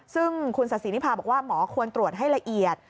ซึ่งคุณศาสินิพาบอกว่าหมอควรตรวจให้ละเอียด